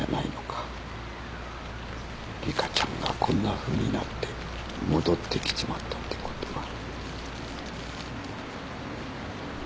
リカちゃんがこんなふうになって戻ってきちまったってことが。